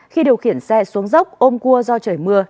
khi điều khiển xe xuống dốc ôm cua do trời mưa